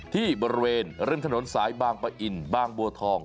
ที่บริเวณริมถนนสายบางปะอินบางบัวทอง